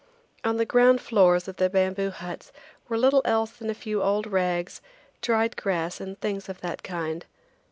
On the ground floors of the bamboo huts were little else than a few old rags, dried grass and things of that kind.